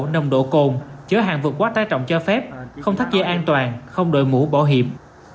nồng độ cồn chở hàng vượt quá trái trọng cho phép không thắt dây an toàn không đổi mũ bỏ hiểm